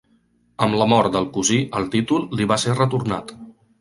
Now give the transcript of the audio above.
Amb la mort del cosí el títol li va ser retornat.